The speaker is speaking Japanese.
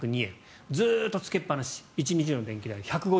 ずっとつけっぱなし１日の電気代１５７円。